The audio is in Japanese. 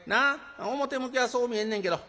表向きはそう見えんねんけど。